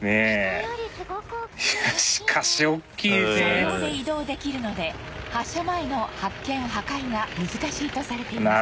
車両で移動できるので発射前の発見破壊が難しいとされています